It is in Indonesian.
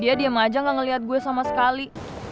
dia diem aja gak ngeliat gue sama sekali